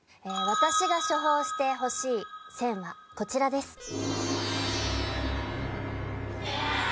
私が処方してほしい「選」はこちらです。